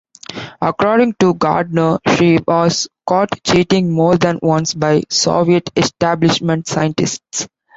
According to Gardner she was caught cheating more than once by Soviet Establishment scientists.